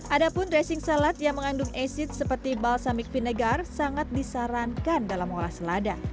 ada pun dressing salad yang mengandung acid seperti balsamic vinegar sangat disarankan dalam mengolah selada